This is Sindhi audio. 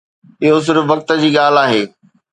اهو صرف وقت جي ڳالهه آهي.